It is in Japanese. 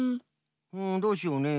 うんどうしようね。